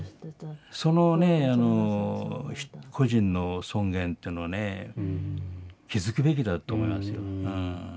そのね個人の尊厳っていうのはね気付くべきだと思いますよ。